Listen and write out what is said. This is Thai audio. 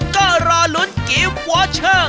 ก็รอลุ้นกิมวอร์เชอร์